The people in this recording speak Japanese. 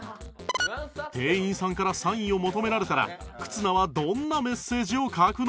店員さんからサインを求められたら忽那はどんなメッセージを書くのか？